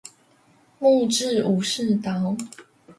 木製武士刀